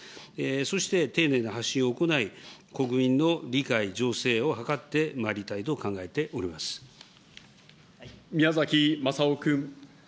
そして丁寧な発信を行い、国民の理解、醸成を図ってまいりたいと宮崎雅夫君。